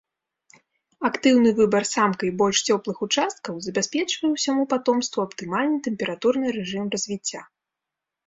Актыўны выбар самкай больш цёплых участкаў забяспечвае ўсяму патомству аптымальны тэмпературны рэжым развіцця.